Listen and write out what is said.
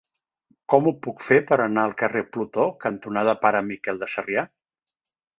Com ho puc fer per anar al carrer Plutó cantonada Pare Miquel de Sarrià?